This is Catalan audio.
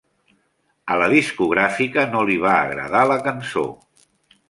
A la discogràfica no li va agradar la cançó.